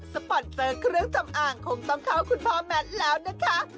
ปอนเซอร์เครื่องสำอางคงต้องเข้าคุณพ่อแมทแล้วนะคะ